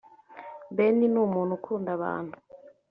Ben ni umuntu ukunda abantu